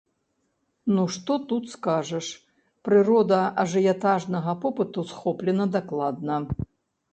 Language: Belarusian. Ну што тут скажаш, прырода ажыятажнага попыту схоплена дакладна.